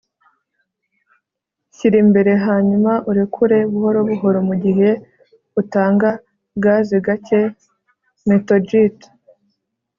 shyira imbere hanyuma urekure buhoro buhoro mugihe utanga gaze gake. (methodgt